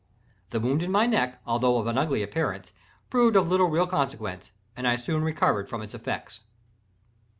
The wound in my neck, although of an ugly appearance, proved of little real consequence, and I soon recovered from its effects.